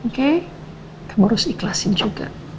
oke kamu harus ikhlasin juga